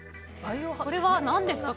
これは何ですか？